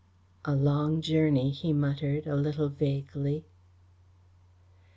"A long journey," he muttered, a little vaguely.